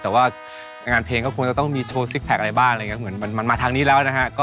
แต่ว่างานเพลงก็คงจะต้องมีโชว์ซิกแพคอะไรบ้างอะไรอย่างนี้เหมือนมันมาทางนี้แล้วนะฮะ